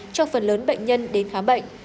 cho phần lớn bệnh nhân đến khám bệnh